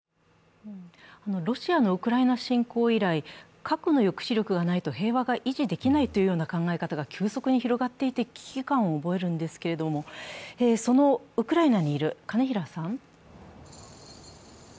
ロシアのウクライナ侵攻以来、核の抑止力がないと平和が維持できないという考え方が急速に広がってきて危機感を覚えるんですけれどもそのウクライナにいる金平さん。